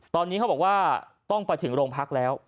ตอนนี้เขาบอกว่าต้องไปถึงโรงพักแล้ว